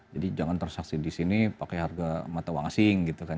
jadi jangan terseksi di sini pakai harga mata wang asing gitu kan